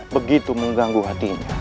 begitu mengganggu hatinya